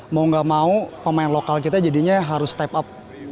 mau gak mau pemain lokal kita jadinya harus step up